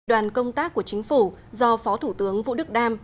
đoàn công tác của chính phủ do phó thủ tướng vũ đức đam